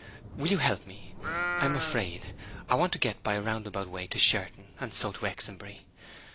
Will you help me? I am afraid. I want to get by a roundabout way to Sherton, and so to Exbury.